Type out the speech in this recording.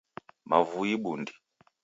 Mavui bundi